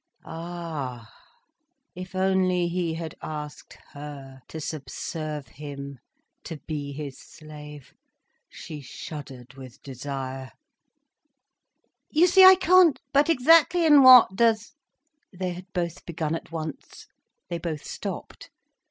Ah, if only he had asked her to subserve him, to be his slave! She shuddered with desire. "You see I can't—" "But exactly in what does—" They had both begun at once, they both stopped.